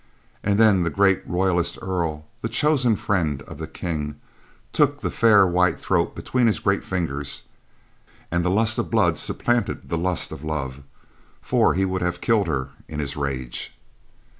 And then the great royalist Earl, the chosen friend of the King, took the fair white throat between his great fingers, and the lust of blood supplanted the lust of love, for he would have killed her in his rage.